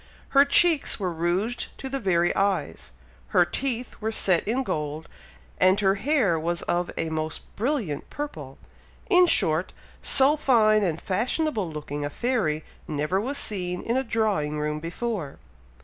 Her cheeks were rouged to the very eyes, her teeth were set in gold, and her hair was of a most brilliant purple; in short, so fine and fashionable looking a fairy never was seen in a drawing room before.